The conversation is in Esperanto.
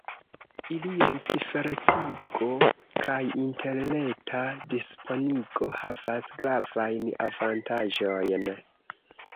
Iliaj ciferecigo kaj interreta disponigo havas gravajn avantaĝojn.